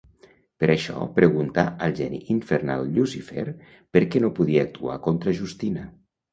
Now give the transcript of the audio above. Per això preguntà al Geni Infernal Llucifer perquè no podia actuar contra Justina.